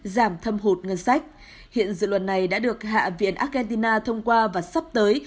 giảm thâm hụt ngân sách hiện dự luật này đã được hạ viện argentina thông qua và sắp tới